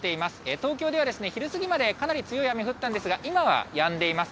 東京では昼過ぎまでかなり強い雨降ったんですが、今はやんでいます。